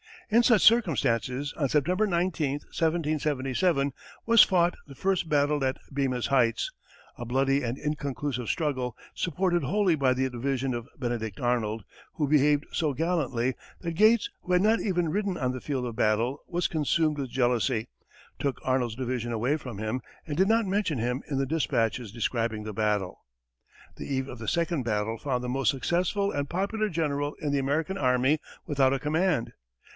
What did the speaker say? In such circumstances, on September 19, 1777, was fought the first battle of Bemis Heights, a bloody and inconclusive struggle, supported wholly by the division of Benedict Arnold, who behaved so gallantly that Gates, who had not even ridden on the field of battle, was consumed with jealousy, took Arnold's division away from him, and did not mention him in the dispatches describing the battle. The eve of the second battle found the most successful and popular general in the American army without a command.